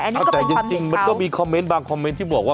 อันนี้ก็เป็นความเห็นเขาแต่จริงมันก็มีคอมเมนต์บางคอมเมนต์ที่บอกว่า